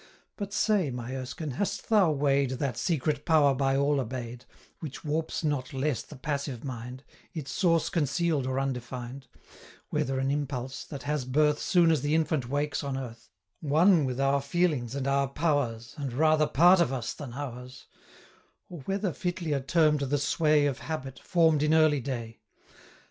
But say, my Erskine, hast thou weigh'd 115 That secret power by all obey'd, Which warps not less the passive mind, Its source conceal'd or undefined; Whether an impulse, that has birth Soon as the infant wakes on earth, 120 One with our feelings and our powers, And rather part of us than ours; Or whether fitlier term'd the sway Of habit, form'd in early day?